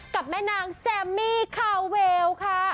กับแม่นางแซมมี่คาเวลค่ะ